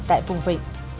tại vùng vị